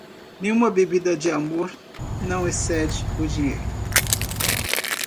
Nenhuma bebida de amor não excede o dinheiro.